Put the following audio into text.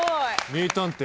名探偵。